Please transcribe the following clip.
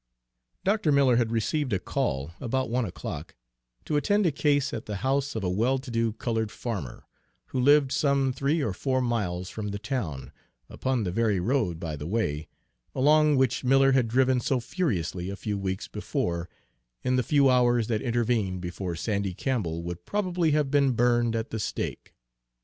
Dr. Miller had received a call, about one o'clock, to attend a case at the house of a well to do colored farmer, who lived some three or four miles from the town, upon the very road, by the way, along which Miller had driven so furiously a few weeks before, in the few hours that intervened before Sandy Campbell would probably have been burned at the stake.